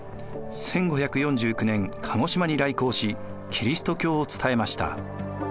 １５４９年鹿児島に来航しキリスト教を伝えました。